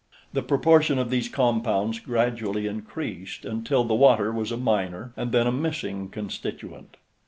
The proportion of these compounds gradually increased until the water was a minor and then a missing constituent.